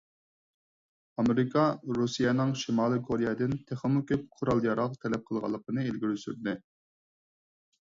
ئامېرىكا رۇسىيەنىڭ شىمالىي كورېيەدىن تېخىمۇ كۆپ قورال-ياراغ تەلەپ قىلغانلىقىنى ئىلگىرى سۈردى.